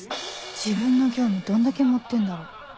自分の業務どんだけ盛ってんだろう